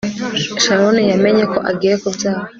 Sharon yamenye ko agiye kubyara